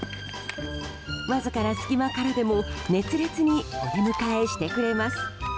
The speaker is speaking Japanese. わずかな隙間からでも熱烈にお出迎えしてくれます。